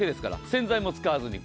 洗剤も使わずに。